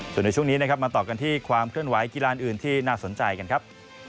ส่วนในช่วงนี้นะครับมาต่อกันที่ความเคลื่อนไหวกีฬานอื่นที่น่าสนใจกันครับ